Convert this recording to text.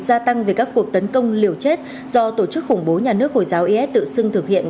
gia tăng về các cuộc tấn công liều chết do tổ chức khủng bố nhà nước hồi giáo is tự xưng thực hiện